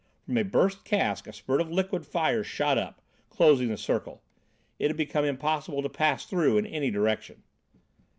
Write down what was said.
From a burst cask a spurt of liquid fire shot up, closing the circle. It had become impossible to pass through in any direction.